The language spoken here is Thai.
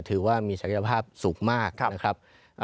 ถือว่ามีศักยภาพสูงมากนะครับ